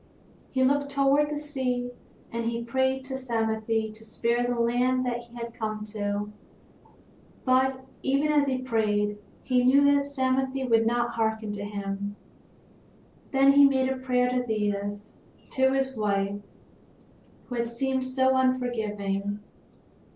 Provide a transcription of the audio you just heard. He looked toward the sea and he prayed to Psamathe to spare the land that he had come to. But, even as he prayed, he knew that Psamathe would not harken to him. Then he made a prayer to Thetis, to his wife who had seemed so unforgiving.